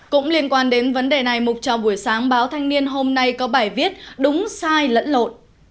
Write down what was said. cũng liên quan đến vấn đề này mục trào buổi sáng báo thanh niên hôm nay có bài viết đúng sai lẫn lộn